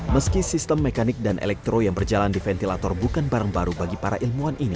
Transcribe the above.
meski sistem mekanik dan elektro yang berjalan di ventilator bukan barang baru bagi para ilmuwan ini